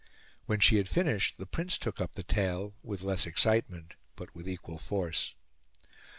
When she had finished, the Prince took up the tale, with less excitement, but with equal force.